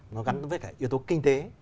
nó gắn với cả yếu tố kinh tế